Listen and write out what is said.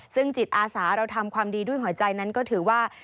ซึ่งจิตอาสาเราทำความดีด้วยหัวใจนั้นก็ถือว่า